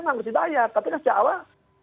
harus dibayar tapi kan sejak awal